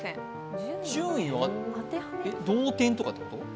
順位え、同点とかってこと？